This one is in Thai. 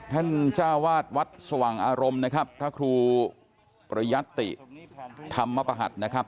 จ้าวาดวัดสว่างอารมณ์นะครับพระครูประยัตติธรรมประหัสนะครับ